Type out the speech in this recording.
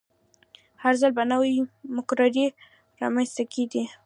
هر ځل به نوې مقررې رامنځته کیدې.